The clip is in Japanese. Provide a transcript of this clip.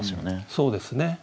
そうですね。